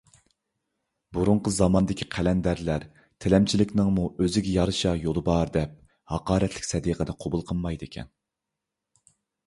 بۇرۇنقى زاماندىكى قەلەندەرلەر تىلەمچىلىكنىڭمۇ ئۆزىگە يارىشا يولى بار دەپ، ھاقارەتلىك سەدىقىنى قوبۇل قىلمايدىكەن.